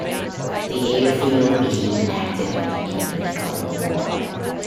The airfield became inactive at the end of the Cold War.